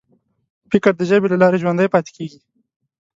فکر د ژبې له لارې ژوندی پاتې کېږي.